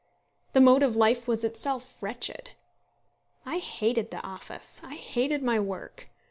The mode of life was itself wretched. I hated the office. I hated my work.